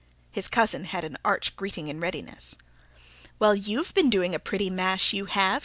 His cousin had an arch greeting in readiness. "Well, you've been doing a pretty mash, you have!"